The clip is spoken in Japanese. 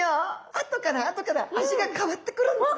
あとからあとから味が変わってくるんです。